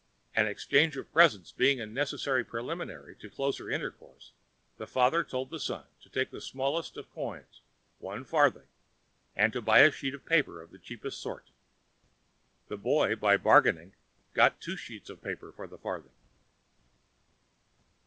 An exchange of presents being a necessary preliminary to closer intercourse, the father told the son to take the smallest of coins, one farthing, and to buy a sheet of paper of the cheapest sort. The boy, by bargaining, got two sheets of paper for the farthing.